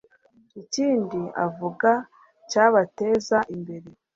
Ikindi avuga cyabateza imbere